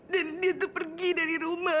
dan dia tuh pergi dari rumah